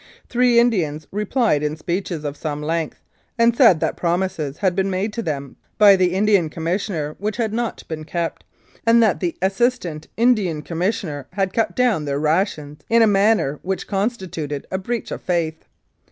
Three Indians replied in speeches of some length, and said that promises had been made to them by the Indian Com missioner which had not been kept, and that the Assis tant Indian Commissioner had cut down their rations in a manner which constituted a breach of faith.